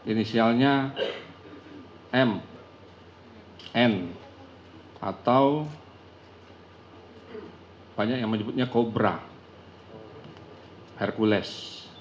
inisialnya m n atau banyak yang menyebutnya kobra hercules